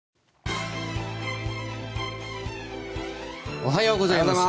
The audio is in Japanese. おはようございます。